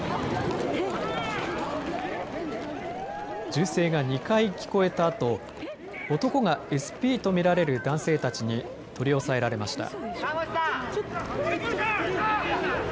銃声が２回聞こえたあと男がＳＰと見られる男性たちに取り押さえられました。